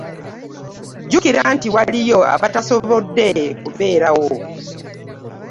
Jjukira nti waliyo abatasobodde kubeerawo.